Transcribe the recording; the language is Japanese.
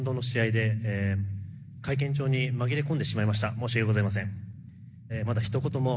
申し訳ございません。